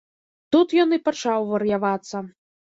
Тут ён і пачаў вар'явацца.